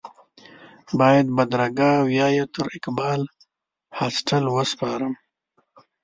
بیا یې بدرګه او یا یې تر اقبال هاسټل وسپارم.